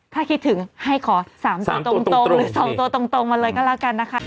ถ้าคิดถึงให้ขอ๓ตัวตรงหรือ๒ตัวตรงมาเลยก็แล้วกันนะคะ